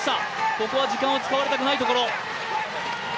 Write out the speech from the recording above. ここは時間を使われたくないところ。